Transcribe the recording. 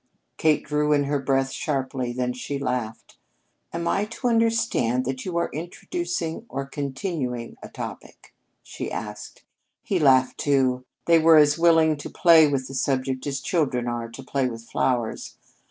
Kate drew in her breath sharply. Then she laughed. "Am I to understand that you are introducing or continuing a topic?" she asked. He laughed, too. They were as willing to play with the subject as children are to play with flowers.